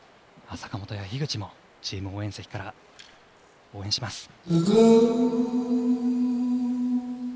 坂本や樋口もチーム応援席から応援します。